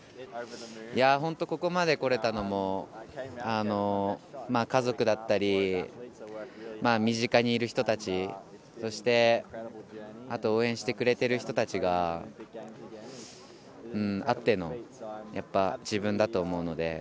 いやー、本当、ここまでこれたのも、家族だったり、身近にいる人たち、そして、あと応援してくれてる人たちが、あってのやっぱ、自分だと思うので。